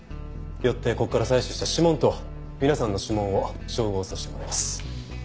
よってここから採取した指紋と皆さんの指紋を照合させてもらいます。